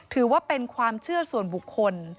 ถือว่าเป็นความเชื่อส่วนบุคคล